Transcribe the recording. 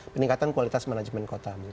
peningkatan kualitas management kota